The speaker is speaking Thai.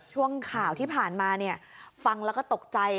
ช่วงข่าวที่ผ่านมาฟังแล้วก็ตกใจ